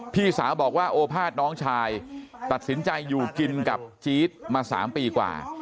พี่สาวบอกว่าโอภาษน้องชายตัดสินใจอยู่กินกับจี๊ดมา๓ปีกว่า